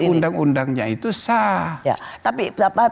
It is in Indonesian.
tapi undang undangnya itu sah